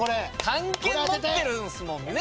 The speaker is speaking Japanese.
漢検持ってるんすもんね。